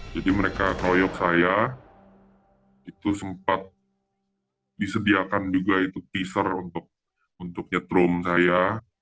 jadi mereka koyok saya itu sempat disediakan juga itu teaser untuk nyetrum saya